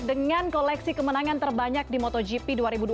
dengan koleksi kemenangan terbanyak di motogp dua ribu dua puluh